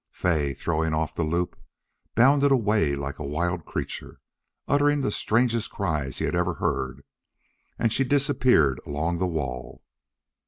Fay, throwing off the loop, bounded away like a wild creature, uttering the strangest cries he had ever heard, and she disappeared along the wall.